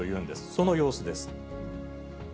その様子です。